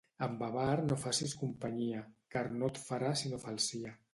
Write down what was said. Amb avar no facis companyia, car no et farà sinó falsia.